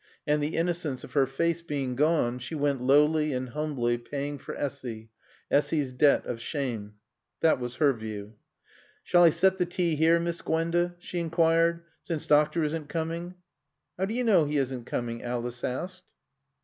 And the innocence of her face being gone, she went lowly and humbly, paying for Essy, Essy's debt of shame. That was her view. "Sall I set the tae here, Miss Gwanda," she enquired. "Sence doctor isn't coomin'?" "How do you know he isn't coming?" Alice asked.